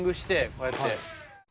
こうやって。